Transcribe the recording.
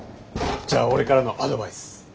じゃあ俺からのアドバイス。